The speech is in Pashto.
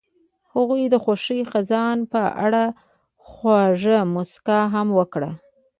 هغې د خوښ خزان په اړه خوږه موسکا هم وکړه.